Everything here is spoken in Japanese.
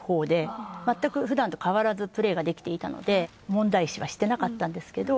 まったくふだんと変わらずプレーができていたので問題視はしていなかったんですけど。